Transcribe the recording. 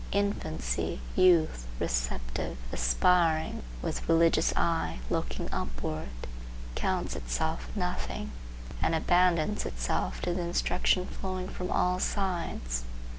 Infancy, youth, receptive, aspiring, with religious eye looking upward, counts itself nothing and abandons itself to the instruction flowing from all sides.